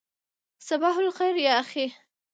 صباح الخیر یا اخی.